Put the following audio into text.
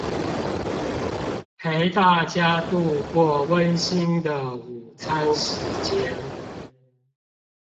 陪大家度過溫馨的午餐時間